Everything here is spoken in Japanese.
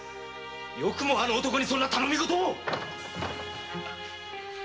よくもあの男にそんな頼み事を！